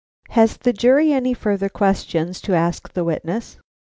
"Has the jury any further questions to ask the witness?"